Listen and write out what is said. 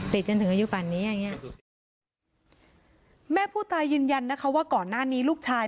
จนถึงอายุป่านนี้อย่างเงี้ยแม่ผู้ตายยืนยันนะคะว่าก่อนหน้านี้ลูกชาย